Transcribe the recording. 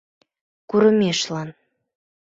Курымешлан!